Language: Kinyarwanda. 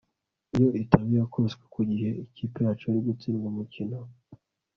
iyo itaba iyakubiswe ku gihe, ikipe yacu yari gutsindwa umukino